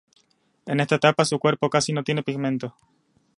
En esta etapa, su cuerpo casi no tiene pigmento.